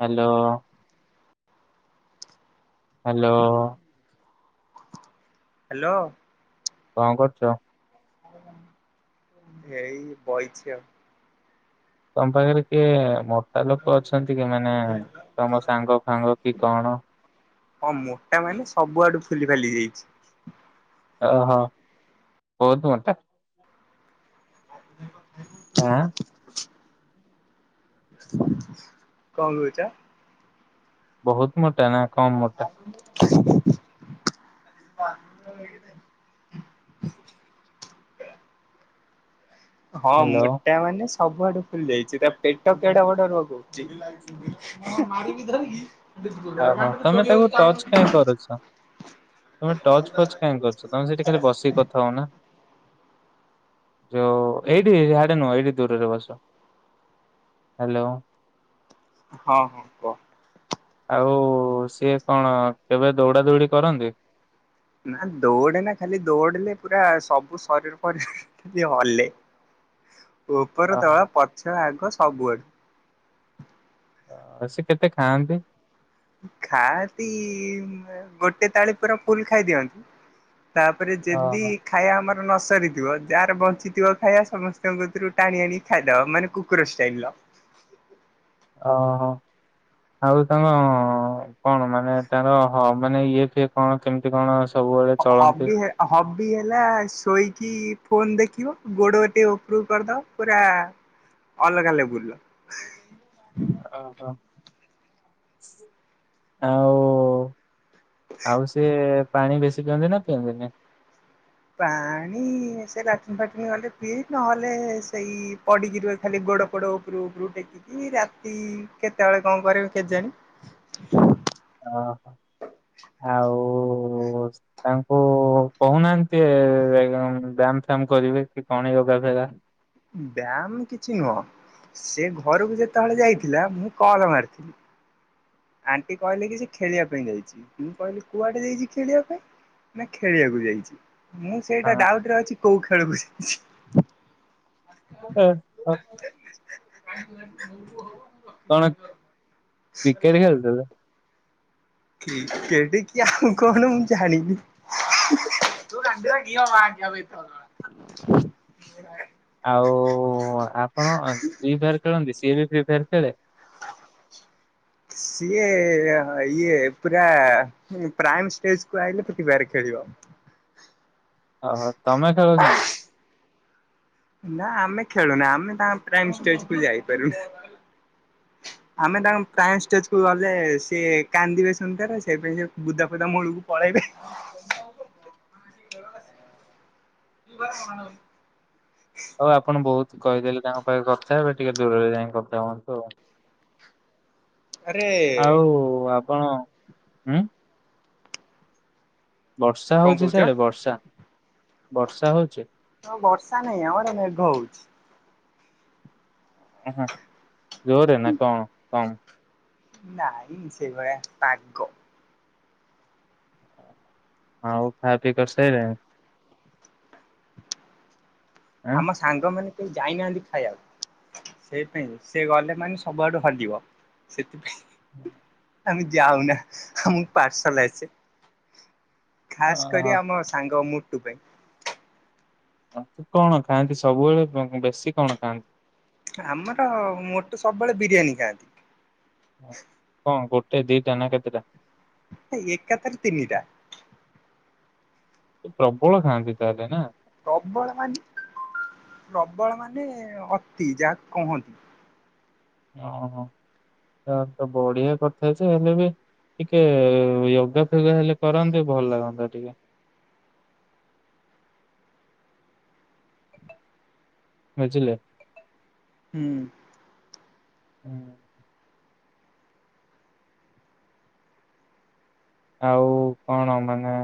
Hello. Hello. Hello. କଣ କରୁଚ? ଏଇ ବଇଚି ଆଉ। ତମ ପାଖରେ କିଏ ମୋ ଟା ଲୋକ ଅଛନ୍ତି କି ମାନେ ତମ ସାଙ୍ଗ ଫାଙ୍ଗ କି କଣ? ହଁ ମୋଟା ମାନେ ସବୁ ଆଡୁ ଫୁଲି ଫାଲି ଯାଇଛି। ଓହୋ ବହୁତ ମୋଟା? ଆଁ କଣ କହୁଛ। ବହୁତ ମୋଟା ନା। କମ୍ ମୋଟା। [inaudible] ହଁ ହ୍ୟାଲୋ। ମୋଟା ମାନେ। ସବୁଆଡୁ ଫୁଲି ଯାଇଛି ତା ପେଟ କେଡ ବଡ ରୁ କହୁଛି। ଓହୋ ତମେ ତାକୁ ଟଚ କାଇହିଁ କରୁଛ ତମେ ଟଚ ଫଚ କାଇହିଁ କରୁଛ ତମେ ସେଇଠି ଖାଲି ବସିକି କଥା ହଉ ନା। ଯୋଉ ଏଇଠି ସିଆଡେ ନୁହଁ ଏଇଠି। ଦୂରରେ ବସ ହ୍ୟାଲୋ। ହଁ କହ ଆଉ ସିଏ କଣ କେବେ ଦୌଡା ଦୌଡି କରନ୍ତି। ନା ଦୌଡେ ନା ଖାଲି ଦୌଡିଲେ ପୁରା ସବୁ ଶରୀର ଫରିର ଏମିତି ହଲେ। ଉପର ତଳ ପଛ ଆଗ। ସବୁଆଡୁ। ଅ ସେ କେତେ ଖାଆନ୍ତି। ଖାଆନ୍ତି ଗୋଟେ ଥାଳି ପୁରା ଫୁଲ ଖାଇଦିଅନ୍ତି। ତାପରେ ଯଦି ଓହୋ ଖାଇବା ଆମର ନ ସରିଥିବ ଯାହାର ବଞ୍ଚିଥିବ ଖାଇବା ସମସ୍ତଙ୍କରୁ ଟାଣି ଆଣି ଖାଇଦବ ମାନେ କୁକୁର ଷ୍ଟାଇଲ ଓହୋ ଆଉ ତଙ୍କ କଣ ମାନେ ତାର ହ ମାନେ ଇଏ ଏ କଣ କେମିତି କଣ? ସବୁବେଳେ ଚଳନ୍ତି। ବି ହେଲା ଶୋଇକି ଫୋନ ଦେଖିବ ଗୋଡ ଗୋଟେ ଉପରୁ କରିଦବ ପୁରା ଅଲଗା ଲ ବୁଲ ଓହୋ ଆଉ। ଆଉ ସେ ପାଣି ବେଶୀ କଛନ୍ତି ନା ପିଆ- ପାଣି ସେ ଲାଟୁନୀ ଫାଟୁନୀ ଗଲେ ପିଇ ନହେଲେ ସେଇ ପଡିକି ରୁହେ ଖାଲି ଗୋଡ ପୋଡ ଉପରୁ ଉପରୁ ଟେକିକି ରାତି କେତେବେଳେ କଣ କର କେେଜାଣି ଓହୋ ଆଉ ତାଙ୍କୁ କହୁନାହାନ୍ତି ବାମ ଫାମ କରିବେ କି କଣ ଯୋଗା ଫଗା ବ୍ୟାୟାମ କିଛି ନୁହଁ ସେ ଘରକୁ ଯେତେବେଳେ ଯାଇଥିଲା ମୁଁ କଲ ମାରିଥିଲି ଆଣ୍ଟି କହିଲେ କି ସେ ଖେଳିବା ପାଇଁ ଯାଇଛି ମୁୁ କହିଲି କୁଆଡେ ଯାଇଛି ଖେଳିବା ପାଇଁ ନା ଖେଳିବାକୁ ଯାଇଛି। ମୁଁ ସେଇଟା ଡାଉଟ ରେ ଅଛି କୋଉ ଖେଳକୁ ଯାଇଛି। ହ। କଣ କ୍ରିକେଟ ଖେଳ ତ କି କେଠିକ ାଉ କଣ ମୁଁ ଜାଣିନି ତୁ କଡି ରଖି ମା ଆଞ ଆଉ ପ୍ରିଫେ ଖେଳେ ସିଏ ଇଏ ପୁରାେଜ କ ଆଇ ପଠିବ ଖେଳିବ। ଓହୋ ତମେ ଖଳଛ। ନା ଆମେ ଖେଳୁନା ଆମେ ତାଙ୍କାଇ େଜ କ ଯାଇପାରୁନୁ ଆମେ ତାଙ୍କାଇେଜ କ ଗଲେ ସେ କାନ୍ଦିବେ ଶୁଣିଥାର ସେଇପାଇ ସେ ବୁଦା ଫଦା ମୂଳକୁ ପଳେଇବେ। [unintelligible] ଭର କଣ ହଉ ଆପଣ ବହୁତ କହିଦେଲେ ତାଙ୍କ ପାଖ କଥା ହେବେ ଟିକେ ଦୂରରେ ଯାଇକ କଥା ହୁଅନ୍ତୁ ଆଉ। ଆରେ ହଉ। କଣ ହୁଁ ବର୍ଷା ହଉଛି ସେଡ ବର୍ଷା ବର୍ଷା ହଉଛି? ହ ବର୍ଷା ନହିଁ ଆମର ମେଘ ହଉଛି। ଜୋରରେ ନା କଣ କଣ? ନାଇଁ ସେଭଳିଆ ପାଗ ହଁ ହ ଖାଇ ପି କରସଇି ରେ ଆଁ? ଆମ ସାଙ୍ଗ ମାନେ ଯାଇନାହାନ୍ତି ଖାଇବାକୁ ସେଇପାଇଁ ସେ ଗଲେ ମାନେ ସବୁଆଡୁ ହଜିବ ସେଥିପାଇଁ ଆମେ ଯାଉ ନା ମୁମଁ ପାଠଶାଲ ଅଛି। ଖାସ୍ କରି ଆମ ସାଙ୍ଗ ମୁ ଟ ପାଇଁାଇ କଣ ଖାଆନ୍ତି ସବୁବେଳେ ବେଶୀ କଣ ଖାଆନ୍ତି। ଆମର ମୋଟୁ ସବୁବେଳେ ବିରିୟାନୀ ଖାଆନ୍ତି। କଣ କରୁଛୁ? ଏ ଦିଇଟା ନା କେତେଟା ଏକା ତରେ ତିନିଟା ପ୍ରବଳ ଖାଆନ୍ତି ତାହେଲେ ନା ପ୍ରବଳ ମାନେ ପ୍ରବଳ ମାନେ ଅତି ଯାହାକୁ କହନ୍ତି। ଓୋ ତା ତ ବଢିଆ କଥା ଯେ ହେଲେ ବି ଟିକେ ଯୋଗା ଫୋଗା ହେଲେ କରନ୍ତେ ଭଲ ଲାଗନ୍ତା ଟିକେ ବୁଝିଲେ। ହୁଁ। ହୁଁ। ଆଉ କଣ ମାନେ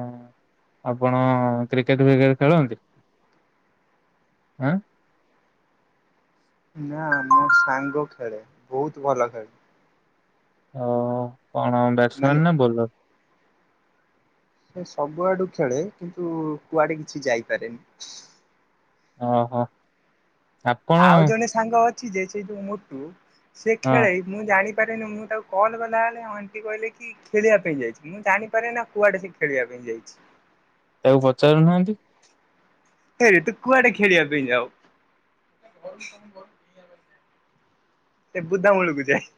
ଆପଣ କ୍ରିକେଟ ଭିକଟେ ଖେଳନ୍ତି। ଆଁ ନା ମୋ ସାଙ୍ଗ ଖେଳେ ବହୁତ ଭଲ ଖେଳେ ହ। କଣ ମାନେ ବ୍ୟାଟସମ୍ୟାନ୍ ନା ବୋଲର ସେ ସବୁଆଡୁ ଖେଳେ କିନ୍ତୁ କୁଆଡେ କିଛି ଯାଇପାରେନି ଓ ହୋ। ଆଉ ଜଣେ ସାଙ୍ଗ ଅ ସେ ଯେହେତୁ ମଟୁ ସେ ହଁ ଖେଳେ ମୁଁ ଜାଣିି ମୁଁ ତାକୁ କଲ୍ ଗଲାବେଳେ ଅଣ୍ଟି କହିଲେ କି ଖେଳିବା ପାଇଁ ଯାଇଛି ମୁଁ ଜାଣିପାରେ ନା କୁଆଡେ ସେ ଖେଳିବା ପାଇଁ ଯାଇଛି। ତାକୁ ପଚାରୁନାହାନ୍ତି। ହେ ତୁ କୁଆଡେ ଖେଳିବା ପାଇଁ ଯାଉ ଏ ବୁଧା ମୁୂଳୁକୁ ଯାଇ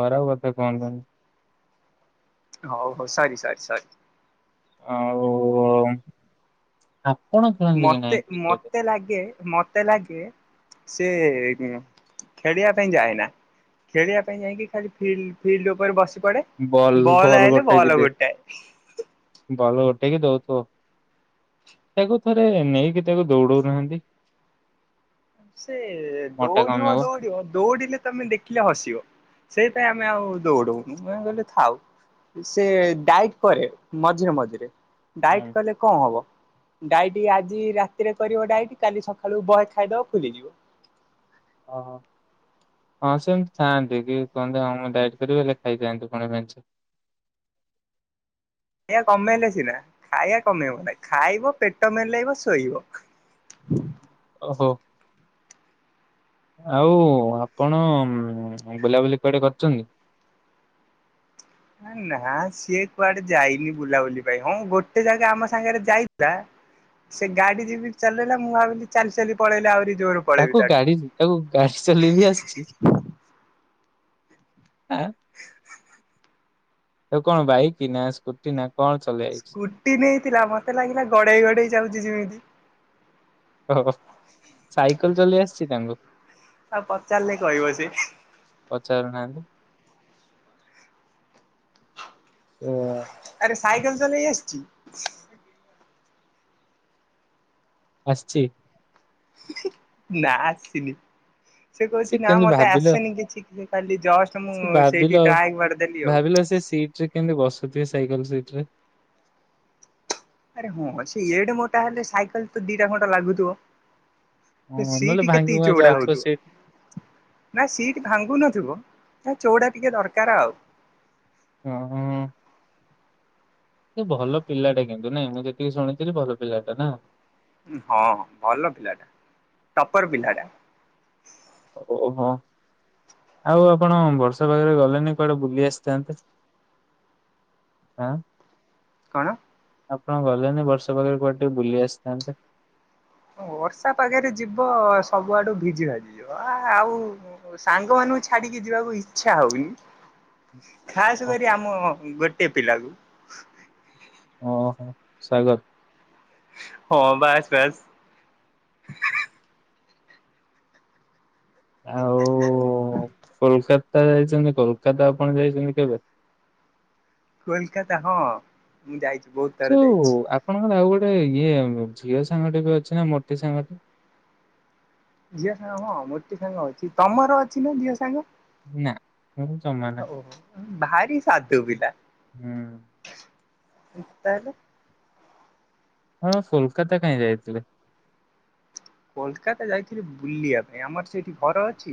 ଖରାପ କଥା କୁହନ୍ତନି। ହଉ ହଉ ସରି ସରି ସରି ଆଉ। ଆପଣ ଖେଳନ୍ତି କି ମତେ ନାଇ କ୍ରିକେଟ ମତେ ଲାଗେ ମତେ ଲାଗେ ସେ ଖେଳିବା ପାଇଁ ଯାଏନା ଖେଳିବା ପାଇଁ ଯାଇକି ଖାଲି ଫ ଫିଲ୍ଡ ଉପରେ ବସି ବଲ୍ ବଲ୍ ଆଇଲେ ଗୋଟେଇକି ବଲ ଗୋଟେଏ ଟକି ଦଉଥିବ ତାକୁ ଥରେ ନେଇକି ତାକୁ ଦୌଡଉନାହାନ୍ତି। ସେ ମୋଟା ଦୌଡିବ କମିବ। ଦୌଡିବ ଦୌଡିଲେ ତମେ ଦେଖିଲେ ହସିବ। ସେଇପାଇ ଆମେ ଆଉ ଦୌଡଉନୁେ କହିଲ ଥାଉ ସେ ଡାଇଟ କରେ ମଝିରେ ମଝିରେ ଡାଏଟ୍ ହୁଁ କଲେ କଣ ହବ। ଡାଈଟି ଆଜି ରାତିରେ କରିବ ଡାଇଟି କାଲି ସକାଳୁ ବହେ ଖାଇଦବ ଫୁଲିଯିବ ଓ ହଁ ସେମିତି ଥାଆନ୍ତି କି କୁହନ୍ତି ହଁ ମୁଁ ଡାଇଟ କରିବି ହେଲେ ଖାଇଥାନ୍ତୁ କଣ ଖାଇ କମେଇଲେ ସିନା ଖାଇବା କମେଇବ ନା ଖାଇବ ପେଟ ମଲେଇବ ଶୋଇବ। ଓହୋ। ଆଉ ଆପଣ ବୁଲାବୁଲି କୁଆଡେ କରୁଛନ୍ତି। ନା ନା ସିଏ କୁଆଡେ ଯାଇନି ବୁଲାବୁଲି ପାଇଁ ହଁ ଗୋଟେ ଜାଗା ଆମ ସାଙ୍ଗରେ ଯାଇଥିଲା ସେ ଗାଡି ଯିବି ଚଲେଇଲା ମୁଁ ଭାବିଲି ଚାଲି ଚାଲି ପଳେଇଲା ଆହୁରି ଜୋର ପଳେଇବି ତାକୁ ତାଠୁ। ଗାଡି ତାକୁ ଗାଡି ସଲେଇ ବିି ଆସିଛି? ଆ। ଆଉ କଣ ବାଇକ କି ନା ସ୍କୁଟି ନା କଣ ଚଲେଇ ଆଇଛି? ସ୍କୁଟି ନେଇଥିଲା ମତେ ଲାଗିଲା ଗଡେଇ ଗଡେଇ ଯାଉଛି ଯେମିତି ଓ ସାଇକେଲ ଚଲେଇ ଆସିଛି ତାଙ୍କୁ ଆଉ ପଚାରିଲେ କହିବ ସେ ପଚାରୁନାହାନ୍ତି। ହ। ଆରେ ସାଇକେଲ ଚଲେଇ ଆସଛି? ଆସଛି? ନା ଆସିିନି। ସେ କହୁଛି ନା କେମିତି ମତେ ଭାବିଲ ଆସେନି କିଛି। ସେ କାଲି ସେ ଭାବିଲ, ଆଉ। ଭାବିଲ ସେ ସିଟ ରେ କେମିତି ବସ ସାଇକେଲ ସିଟରେ। ଆରେ ହଁ ସେ ଏଡ ମୋଟା ହେଲେ ସାଇକେଲ ତ ଦିଟା ଖଣ୍ଟା ଲାଗୁଥିବ। ହଁ ନହେଲେ ସିଟ ଭାଙ୍ଗି କେତେ ଭୁଙ୍ଗା ଚଉଡା ଯାଉଥିବ ସିଟ ହଉଥିବ ନା ସିଟ ଭାଙ୍ଗୁ ନଥିବ। ନା ଚଉଡ଼ା ଟିକେ ଦରକାର ଆଉ। ଓ ହୋ। ସେ ଭଲ ପିଲାଟା, କିନ୍ତୁ ନାଇଁ ମୁଁ ଯେତିକି ଶୁଣିଥିଲି ଭଲ ପିଲାଟା ନା। ହଁ ଭଲ ପିଲାଟା ଟପର ପିଲାଟା। ଓହୋ ଆଉ ଆପଣ ବର୍ଷା ପାଗରେ ଗଲେନି, କୁଆଡେ ବୁଲି ଆସିଥାନ୍ତେଁ ଆଁ। କଣ? ଆପଣ ଗଲେନି ବର୍ଷା ପାଗରେ କୁଆଡ ଟିକେ ବୁଲି ଆସିଥାନ୍ତେ। ଅ ବର୍ଷା ପାାଗରେ ଯିବ ସବୁଆଡୁ ଭିଜି ଭାଜି ଯିବ ଆ ଆଉ ସାଙ୍ଗ ମାନଙ୍କୁ ଛାଡିକି ଯିବାକୁ ଇଚ୍ଛା ହଉନି। ଖାସ୍ କରି ଆମ ଗୋଟେ ଏପିଲାକୁ। ଓ ହୋ ସାଗର। ହଁ ବାସ୍ ବାସ୍। ଆଉ କୋଲକାତା ଯାଇଛନ୍ତି କୋଲକାତା ଆପଣ ଯାଇଛନ୍ତି କେବେ? କୋଲକାତା ହଁ ମୁଁ ଯାଇଛିି। ସେ ଆପଣଙ୍କ ଆଉ ଗୋଟେ ଏ ଇଏ ଝିଅ ସାଙ୍ଗଟି ବି ଅଛି ନା ମୋଟି ସାଙ୍ଗଟେ। ଝିଅ ସାଙ୍ଗ ହଁ ମୋଟି ସାଙ୍ଗ ଅଛି, ତମର ଅଛି ନା ଝିଅ ସାଙ୍ଗ? ନା ମୁଁ ଜମା ନାହିଁ ଓ ଭାରି ସାଧୁ ପିଲା। ହୁଁ। ଏତାରେ। ହଁ କୋଲକାତା କାହିଁ ଯାଇଥିଲେ। କୋଲକାତା ଯାଇଥିଲି ବୁଲିବା ପାଇଁ ଆମର ସେଇଠି ଘର ଅଛି।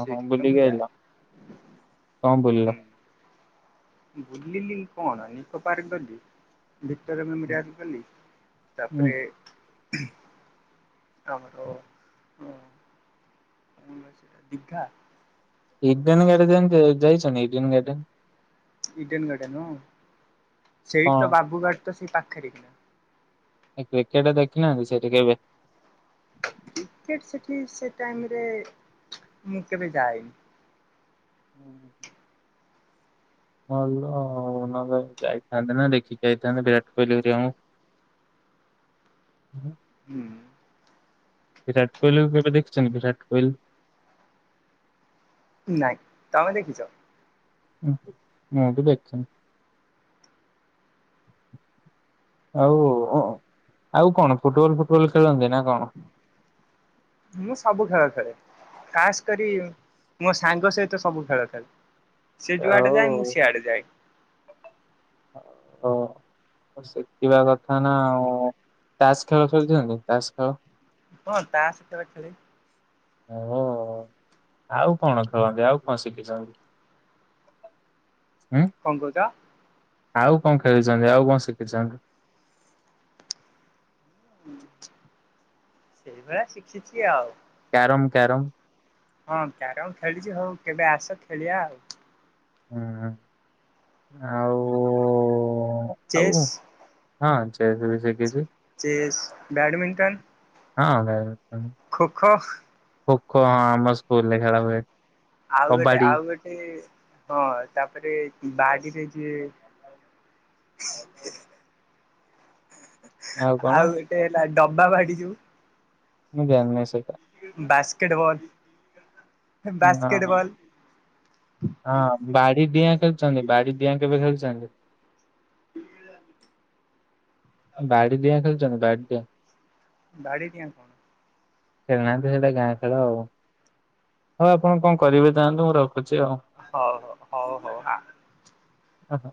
ଓହୋ ବୁଲିକି ମୁ ଆଇଲ ଯାଏ, କଣ ବୁଲିଲ? ହୁଁ। ବୁଲିଲି କଣ ନିିକୋ ପାର୍କ ଗଲି। ଭିତରେ ମୁଁ [unintelligible] ହୁଁ ତାପରେ [unintelligible] ତମର ସେଟା ଦିଘା। ଇଡେନ୍ ଗାର୍ଡେନ୍ ଯାଇଛନ୍ତି? Eden Garden. ଇଡେନ୍ ଗାର୍ଡେନ ହଁ। ସେଇଠି ତ କଣ? ବାବୁ ଗାଡ ତ ସେଇ ପାଖରେ କି ନା। ଏ କ୍ରିକେଟ ଦେଖିନାହାନ୍ତି ସେଠି କେବେ? କ୍ରିକେଟ ସେଠି ସେ ଟାଇମ୍ ରେ ମୁଁ କେବେ ଯାଏନି। ହୁଁ ହୁଁ। ଭଲ ଆଉ ନହେଲେ ଯାଇଥାନ୍ତେ ନା ଦେଖିକି ଆଇଥାନ୍ତେ ବିରାଟ କୋହଲି ଘରିକାଙ୍କୁ। ହୁଁ। ବିରାଟ କୋହଲିକୁ କେବେ ଦେଖଛନ୍ତି? ବିରାଟ କୋହଲି। ନାଇଁ, ତମେ ଦେଖିଛ? ଉ ମୁଁ ବି ଦେଖିନି। ଆଉ ଆଉ କଣ ଫୁଟବଲ୍ ଫୁଟବଲ୍ ଖେଳନ୍ତି ନା କଣ? ମୁଁ ସବୁ ଖେଳ ଖେଳେ। ଖାସ୍ କରି ମୋ ସାଙ୍ଗ ସହିତ ସବୁ ଖେଳ ଖେଳେ। ସେ ଯୁଆଡେ ଯାଏ ମୁଁ ଆଉ ସିଆଡେ ଯାଏ। ଓ ଶଖିବା କଥା ନା ଆଉ। ତାସ୍ ଖେଳ ଖେଳିଛନ୍ତି? ତାସ୍ ଖେଳ। କଣ? ତାସ୍ ଖେଳ ଖେଳେ। ଓ ଆଉ କଣ ଖେଳନ୍ତି? ଆଉ କଣ ଶିଖିଛନ୍ତି? ହୁଁ କଣ କହୁଚ? ଆଉ କଣ ଖେଳୁଛନ୍ତି? ଆଉ କଣ ଶିଖିଛନ୍ତି? ସେଇଭଳିଆ ଶିଖିଛି ଆଉ। Carrom carrom. ହଁ କ୍ୟାରମ ଖେଳିଛି ହଉ କେବେ ଆସ ଖେଳିବା ଆଉ। ହୁଁ ଆଉ ଆଉ ଚେସ୍। ହଁ ସେ ବି ଶିଖିଛି। Chess, badminton. ହଁ। ଖୋ ଖୋ। ଖୋଖୋ ହଁ ଆମ ସ୍କୁଲ ରେ ଖେଳା ହୁଏ। ଆଉ ଗୋଟେ କବାଡି ଆଉ ଗୋଟେ ହଁ ତାପରେ ବାଡିରେ ଯିଏ। ଆଉ କଣ ଆଉ ଗୋଟେ ହେଲା ଡବା ବାଡି ଯୋଉ। ମୁଁ ଜାଣିନେଇ ସେଇଟା। ବାସ୍କେଟବଲ। ହଁ ହଁ ବାଡି ଡିଆଁ ଖେଳିଛନ୍ତି ବାଡି [unintelligible] ଖେଳିଛନ୍ତି। [unintelligible] ବାଡ଼ି ଡ଼ିଆଁ ଖେଳିଛ ନା ବାଡ଼ି ଡିଆଁ। ବାଡ଼ି ଡିଆଁ କଣ। ଖେଳି ନାହାଁନ୍ତି ସେଇଟା ଗାଁ ଖେଳ ଆଉ ହଉ ଆପଣ କଣ କରିବେ ଜାନ୍ତୁ ମୁଁ ରଖୁ ହୋଉ ହୋଉ ହୋଉ ଆ ଓହୋ।